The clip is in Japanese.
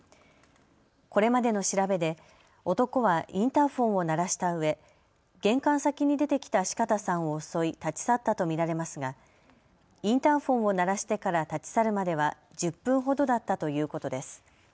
これまでの調べで男はインターフォンを鳴らしたうえ玄関先に出てきた四方さんを襲い立ち去ったと見られますが、インターフォンを鳴らしてから立ち去るまでは１０分ほどだったということです。